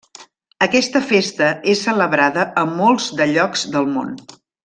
Aquesta festa és celebrada a molts de llocs del món.